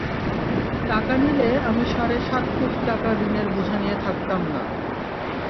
টাকা নিলে আমি সাড়ে সাত কোটি টাকা ঋণের বোঝা নিয়ে থাকতাম না।